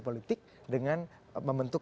politik dengan membentuk